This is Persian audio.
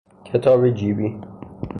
کتاب جیبی